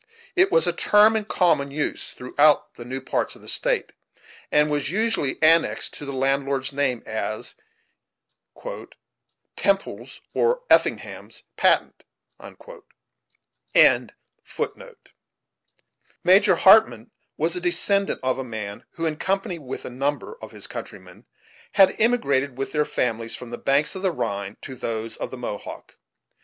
It was a term in common use throughout the new parts of the State; and was usually annexed to the landlord's name, as "Temple's or Effingham's Patent." Major Hartmann was a descendant of a man who, in company with a number of his countrymen, had emigrated with their families from the banks of the Rhine to those of the Mohawk.